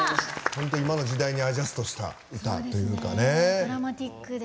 本当に時代にアジャストした歌というかね。